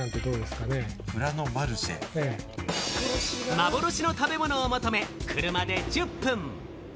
幻の食べ物を求め、車で１０分。